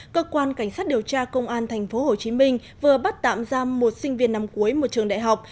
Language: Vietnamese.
cơ quan cảnh sát điều tra công an tp hcm vừa bắt tạm giam một sinh viên năm cuối một trường đại học